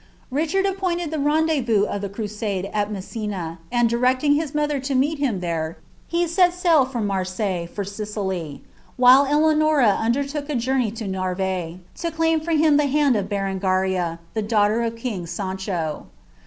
Richard appointed the indezvous of the crusade at Messina, and, directing his mother to meet im there, he set sail from Marseilles, for Sicily ; while Eleanora under lok a journey to Navarre, to claim for him the hand of Berengaria, the inghter of king Sancho.